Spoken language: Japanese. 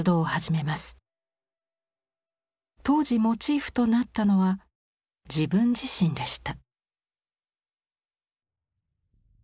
当時モチーフとなったのは自分自身でした。